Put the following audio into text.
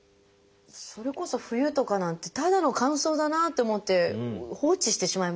それこそ冬とかなんてただの乾燥だなと思って放置してしまいますよね。